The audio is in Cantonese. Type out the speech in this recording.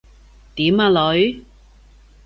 點呀，女？